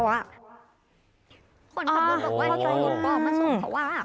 คนขับรถบอกว่าทำไมอรถปมาส่งเหมาะ